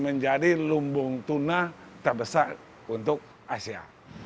menjadi lumbung tuna terbesar untuk asia